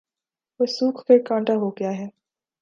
وہ سوکھ کر کانٹا ہو گیا ہے